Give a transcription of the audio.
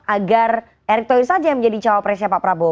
agar erick thohir saja yang menjadi cawapresnya pak prabowo